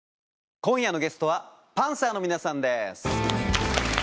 今夜のゲストはパンサーの皆さんです。